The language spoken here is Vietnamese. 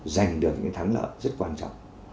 giành được những thắng lợi rất quan trọng